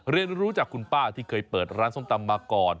เรียนรู้จากคุณป้าที่เคยเปิดร้านส้มตำมาก่อน